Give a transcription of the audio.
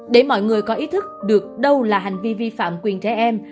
để mọi người có ý thức được đâu là hành vi vi phạm quyền trẻ em